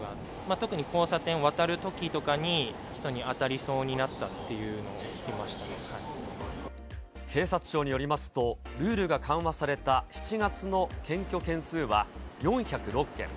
特に交差点渡るときとかに、人に当たりそうになったっていう警察庁によりますと、ルールが緩和された７月の検挙件数は４０６件。